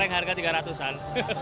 kenapa memilih suv